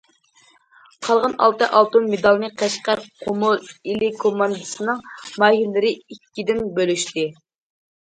قالغان ئالتە ئالتۇن مېدالنى قەشقەر، قومۇل، ئىلى كوماندىسىنىڭ ماھىرلىرى ئىككىدىن‹‹ بۆلۈشتى››.